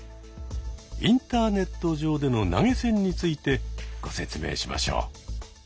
インターネット上での投げ銭についてご説明しましょう。